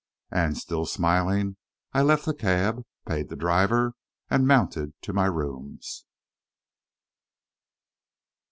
And, still smiling, I left the cab, paid the driver, and mounted to my rooms.